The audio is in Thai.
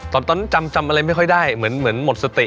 ตอนนั้นจำอะไรไม่ค่อยได้เหมือนหมดสติ